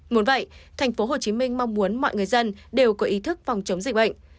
muốn vậy tp hcm mong muốn mọi người dân đều có ý thức phòng chống dịch bệnh